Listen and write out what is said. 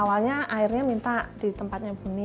awalnya airnya minta di tempatnya buni